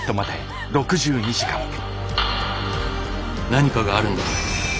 何かがあるんだ。